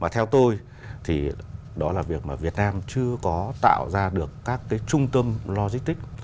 theo tôi đó là việc việt nam chưa có tạo ra được các trung tâm logistics